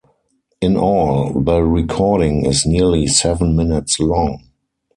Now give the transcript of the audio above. In all, the recording is nearly seven minutes long.